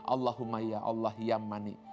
allahumma ya allah ya mani